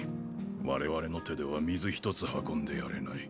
我々の手では水一つ運んでやれない。